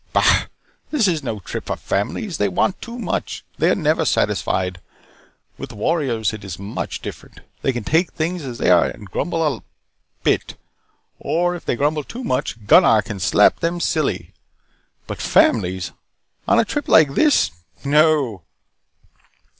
"Bah, this is no trip for families. They want too much. They are never satisfied. With warriors it is much different. They can take things as they are and grumble a bit or if they grumble too much, Gunnar can slap them silly. But families on a trip like this. No!"